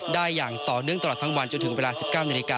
อย่างต่อเนื่องตลอดทั้งวันจนถึงเวลา๑๙นาฬิกา